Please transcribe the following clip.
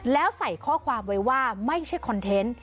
แล้วใส่ข้อความไว้ว่าไม่ใช่คอนเทนต์